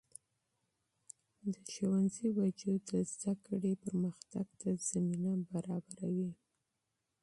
د ښوونځي وجود د علم ودې ته زمینه برابروي.